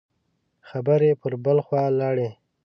خبرې پر بل خوا لاړې.